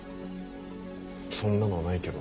そんなのないけど。